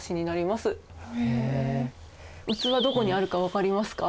器どこにあるか分かりますか？